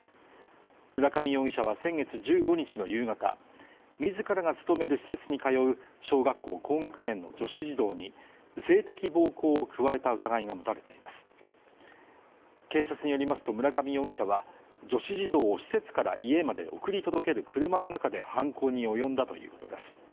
村上容疑者は先月１５日の夕方自らが勤める施設に通う小学校高学年の女子児童に性的暴行を加えた疑いが持たれています警察によりますと村上容疑者は女子児童を施設から家まで送り届ける車の中で犯行に及んだということです